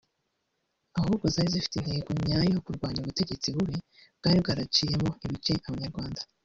ahubwo zari zifite intego nyayo yo kurwanya ubutegetsi bubi bwari bwaraciyemo ibice Abanyarwanda